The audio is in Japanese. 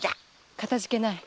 かたじけない。